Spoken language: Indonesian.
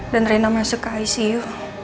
dan rena masuk ke icu